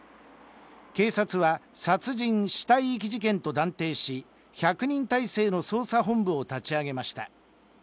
警察は殺人死体遺棄事件と断定し、１００人態勢の捜査本部を立ち上げました。